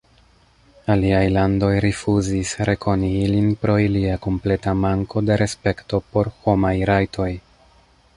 Aliaj landoj rifuzis rekoni ilin pro ilia kompleta manko de respekto por homaj rajtoj.